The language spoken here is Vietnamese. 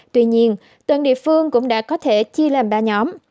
tuy nhiên toàn địa phương cũng đã có thể chia làm ba nhóm